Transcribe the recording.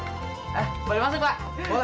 eh boleh masuk pak